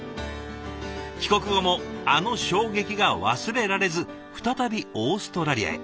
帰国後もあの衝撃が忘れられず再びオーストラリアへ。